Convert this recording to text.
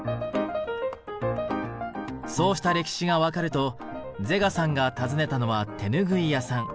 そうした歴史が分かるとゼガさんが訪ねたのは手拭い屋さん。